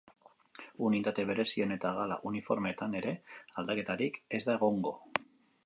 Unitate berezien eta gala uniformeetan ere, aldaketarik ez da egongo.